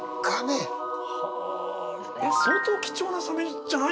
えっ相当貴重なサメじゃない？